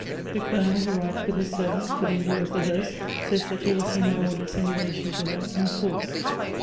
The Colonel, who rides with his servants within view of the hearse, says that he will see my orders in relation to her enforced.